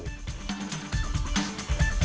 dalam salah satu tweet annya